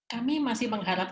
kami masih mengharap